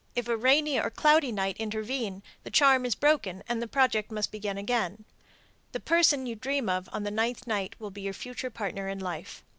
(If a rainy or cloudy night intervene, the charm is broken, and the project must be begun again.) The person you dream of on the ninth night will be your future partner in life.